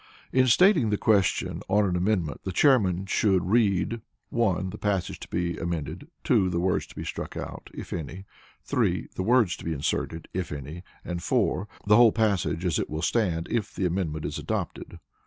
In stating the question on an Amendment the Chairman should read (1) the passage to be amended; (2) the words to be struck out, if any; (3) the words to be inserted, if any; and (4) the whole passage as it will stand if the amendment is adopted.